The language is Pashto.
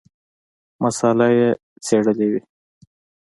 مساله یې څېړلې وي.